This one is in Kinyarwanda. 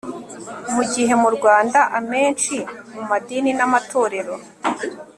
mu gihe mu rwanda amenshi mu madini n'amatorero